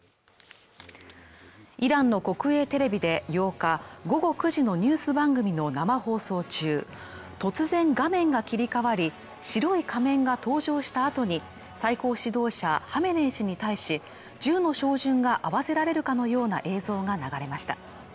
イランの国営テレビで８日午後９時のニュース番組の生放送中突然画面が切り替わり白い仮面が登場したあとに最高指導者ハメネイ師に対し銃の照準が合わせられるかのような映像が流れました